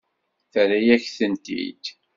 Terra-yak-tent-id.